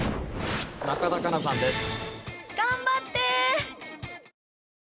中田花奈さんです。